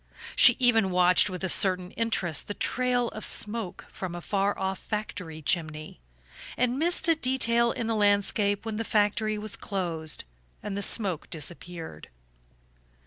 She even watched with a certain interest the trail of smoke from a far off factory chimney, and missed a detail in the landscape when the factory was closed and the smoke disappeared.